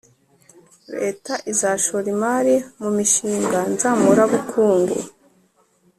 leta izashora imari mu mishinga nzamurabukungu